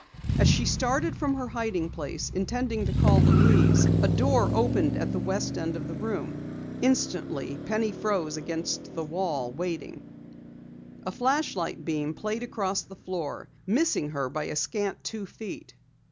As she started from her hiding place, intending to call Louise, a door opened at the west end of the room. Instantly Penny froze against the wall, waiting. A flashlight beam played across the floor, missing her by a scant two feet.